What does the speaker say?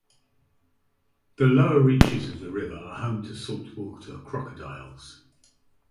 The lower reaches of the river are home to salt water crocodiles.